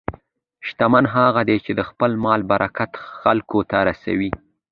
شتمن هغه دی چې د خپل مال برکت خلکو ته رسوي.